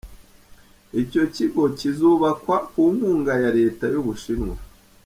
Icyo kigo kizubakwa ku nkunga ya Leta y’Ubushinwa.